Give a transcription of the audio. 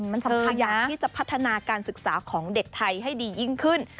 มันสำคัญอยากที่จะพัฒนาการศึกษาของเด็กไทยให้ดียิ่งขึ้น